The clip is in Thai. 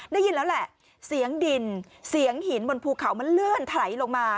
ได้ยินแล้วแหละเสียงดินเสียงหินบนภูเขามันเลื่อนถลายลงมา